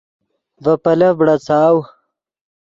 ڤے پیلف بڑاڅاؤ